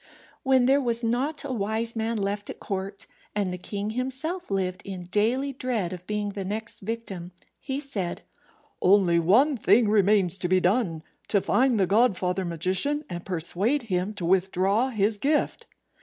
When there was not a wise man left at court, and the king himself lived in daily dread of being the next victim, he said, "Only one thing remains to be done: to find the godfather magician, and persuade him to withdraw his gift."